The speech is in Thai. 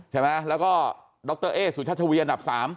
ใช่ไหมแล้วก็ดรเอ๊สุชัชวีอันดับ๓